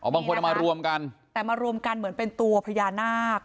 บางคนเอามารวมกันแต่มารวมกันเหมือนเป็นตัวพญานาค